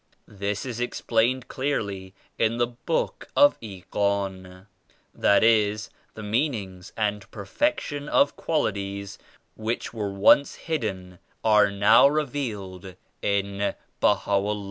This is explained clearly in the 'Book of Ighan;* that is, the mean ings and perfection of qualities which were once hidden are now revealed in BahaVllah.